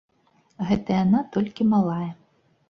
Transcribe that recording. Гэта яна, толькі малая.